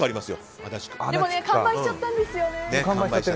完売しちゃったんですね。